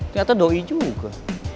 ternyata doi juga